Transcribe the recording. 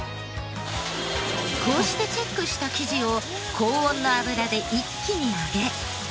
こうしてチェックした生地を高温の油で一気に揚げ。